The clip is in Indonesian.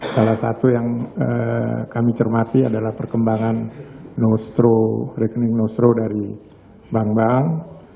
salah satu yang kami cermati adalah perkembanganstro rekening nostro dari bank bank